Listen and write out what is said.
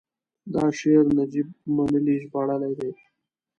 دا شعر نجیب منلي ژباړلی دی: